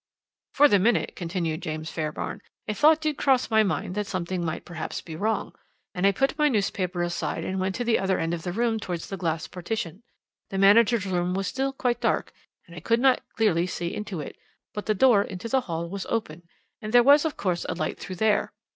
"'For the minute,' continued James Fairbairn, 'a thought did just cross my mind that something might perhaps be wrong, and I put my newspaper aside and went to the other end of the room towards the glass partition. The manager's room was still quite dark, and I could not clearly see into it, but the door into the hall was open, and there was, of course, a light through there.